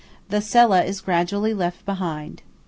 The Sella is gradually left behind.